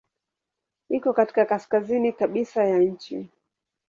Iko katika kaskazini kabisa ya nchi.